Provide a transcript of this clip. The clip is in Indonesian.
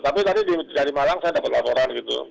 tapi tadi dari malang saya dapat laporan gitu